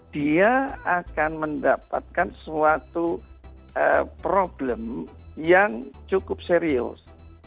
dia akan mendapatkan suatu problem yang cukup serius